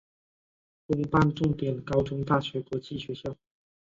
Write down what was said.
公办重点高中大学国际学校